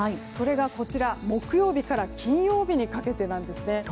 それが、木曜日から金曜日にかけてなんですね。